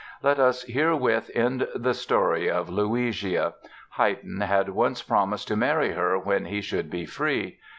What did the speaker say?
Let us herewith end the story of Luigia. Haydn had once promised to marry her when he should be free.